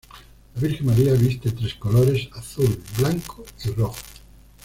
La Virgen María viste tres colores: azul, blanco y rojo.